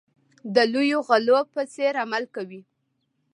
د لویو غلو په څېر عمل کوي.